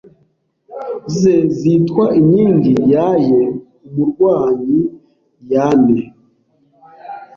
ze zitwa Inkingi yaye umurwanyi yane